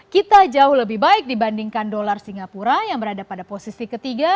kita jauh lebih baik dibandingkan dolar singapura yang berada pada posisi ketiga